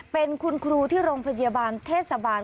เป็นคุณครูที่โรงพยาบาลเทศบาล